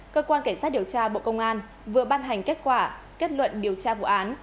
cơ quan cảnh sát điều tra bộ công an vừa ban hành kết quả kết luận điều tra vụ án